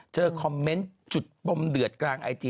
คอมเมนต์จุดปมเดือดกลางไอจี